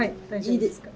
いいですか？